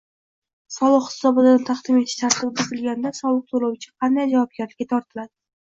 Soliq hisobotini taqdim etish tartibi buzilganda soliq to‘lovchi qanday javobgarlikka tortiladi?